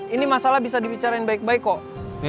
ini masalah bisa dibicarain baik baik kok